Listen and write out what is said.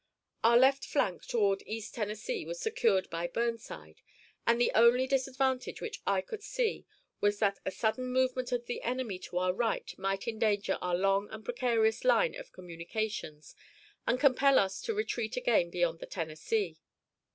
Our left flank toward East Tennessee was secured by Burnside, and the only disadvantage which I could see was that a sudden movement of the enemy to our right might endanger our long and precarious line of communications and compel us to retreat again beyond the Tennessee.